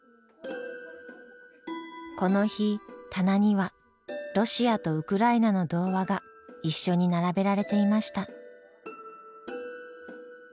この日棚にはロシアとウクライナの童話が一緒に並べられていました。